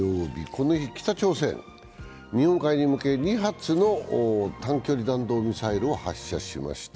この日、北朝鮮日本海に向け２発の、短距離弾道ミサイルを発射しました。